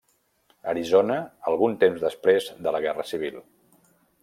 Arizona, algun temps després de la Guerra Civil.